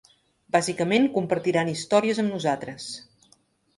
Bàsicament, compartiran històries amb nosaltres.